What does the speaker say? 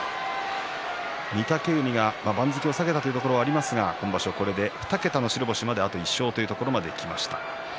御嶽海が番付を下げたというところがありますが今場所これで２桁の白星まであと１勝というところまできました。